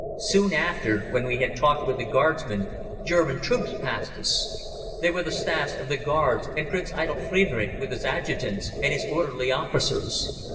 Soon after, when we had talked with the Guardsman, German troops passed us. They were the staffs of the Guards and Prince Eitel Friedrich with his Adjutants and his Orderly Officers.